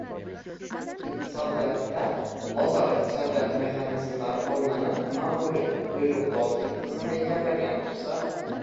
iqtisodiyotda bozor iqtisodiyoti mexanizmlari o‘rnini ma’muriy-buyruqbozlik tizimi egallagan bo‘lsa